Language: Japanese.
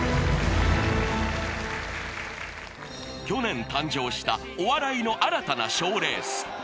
［去年誕生したお笑いの新たな賞レース］